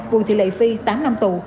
bùi thị lệ phi tám năm tù